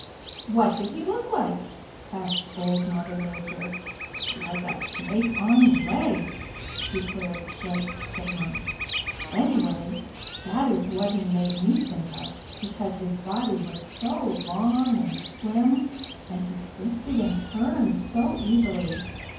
"What did he look like?" asked Old Mother Nature. "Like a snake on legs," declared Striped Chipmunk. "Anyway, that is what he made me think of, because his body was so long and slim and he twisted and turned so easily.